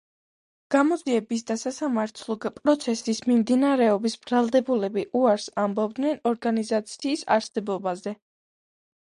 გამოძიების და სასამართლო პროცესის მიმდინარეობისას ბრალდებულები უარს ამბობდნენ ორგანიზაციის არსებობაზე.